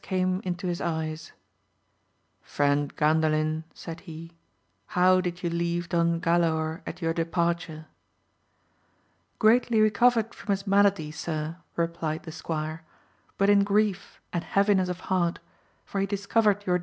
me into his eyes : Friend Gandalin, said he, how did you leave Don Galaor at your departure ] Greatly recovered from his malady, sir, repHed the squire, but in grief, and heaviness of heart, for he discovered your!